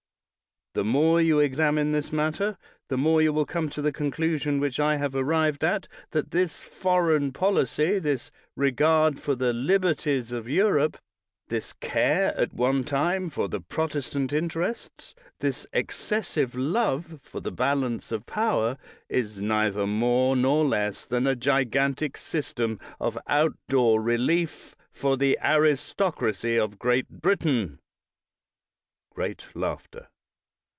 The more you examine this matter the more you will come to the conclusion which I have arrived at, that this foreign policy, this regard for the "liberties of Europe," this care at one time for "the Protestant interests," this ex cessive love for "the balance of power," is neither more nor less than a gigantic system of outdoor relief for the aristocracy of Great Brit ain. [Great laughter.